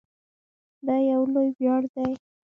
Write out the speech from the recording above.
دا یو لوی ویاړ دی.